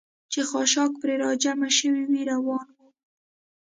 چې خاشاک پرې را جمع شوي و، روان ووم.